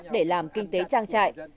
để làm kinh tế trang trại